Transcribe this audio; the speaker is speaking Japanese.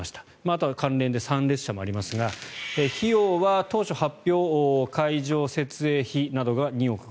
あとは関連で参列者もありますが費用は当初発表会場設営費などが２億５０００万。